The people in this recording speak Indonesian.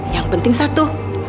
yang penting satu